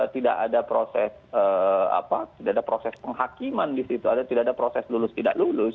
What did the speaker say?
tidak ada proses tidak ada proses penghakiman di situ ada tidak ada proses lulus tidak lulus